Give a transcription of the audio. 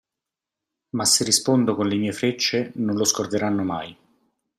Ma se rispondo con le mie frecce, non lo scorderanno mai.